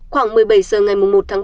khoảng một mươi bảy h ngày một tháng ba